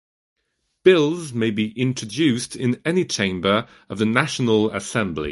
Bills may be introduced in any chamber of the National Assembly.